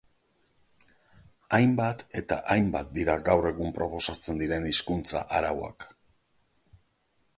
Hainbat eta hainbat dira gaur egun proposatzen diren hizkuntza-arauak.